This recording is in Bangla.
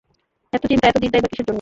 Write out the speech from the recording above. এত চিন্তা, এত দ্বিধাই বা কিসের জন্য?